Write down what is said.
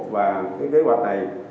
và kế hoạch này